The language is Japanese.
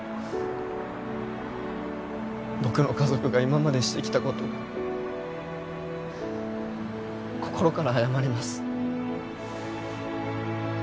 僕の家族が今までしてきた事心から謝ります。